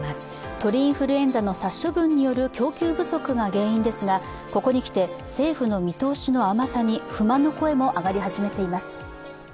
鳥インフルエンザの殺処分による供給不足が原因ですが、ここにきて、政府の見通しの甘さに不満の声も上がり始めています。